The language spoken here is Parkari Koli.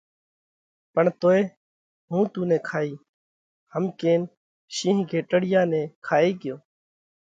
پڻ توئي هُون تُون نئہ کائِيه۔ هم ڪينَ شِينه گھيٽڙيا نئہ کائي ڳيو۔